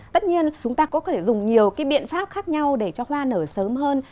tất nhiên chúng ta có thể dùng nhiều cái biện pháp khác nhau để cho hoa nở sớm hơn